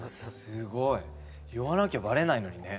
すごい言わなきゃバレないのにね